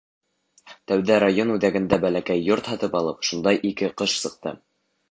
Тәүҙә район үҙәгендә бәләкәй йорт һатып алып, шунда ике ҡыш сыҡты.